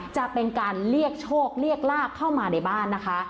จะเป็นการเรียกโชคเรียกลาบเข้ามาในบ้านนะคะ